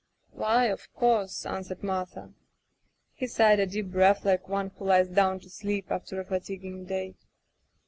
"Why, of course," answered Martha. He sighed a deep breath like one who lies down to sleep after a fatiguing day.